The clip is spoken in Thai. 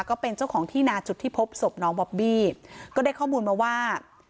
ก็เป็นเจ้าของที่นาจุดที่พบศพน้องบอบบี้ก็ได้ข้อมูลมาว่า